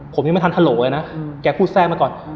ผมยังไม่ทันฮัลโหลเลยนะแกพูดแทรกมาก่อน